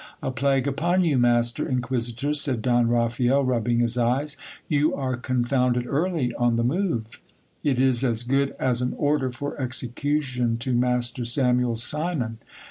A plague upon you, master i lquisitor, said Don Raphael, rubbing his eyes, you are confounded early on the tiove ! It is as good as an order for execution to master Samuel Simon.